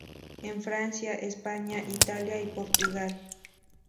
En Francia, España, Italia y Portugal.